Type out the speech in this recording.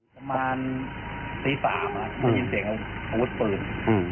ประมาณ๑๓คือยินเสียงขนวดปืน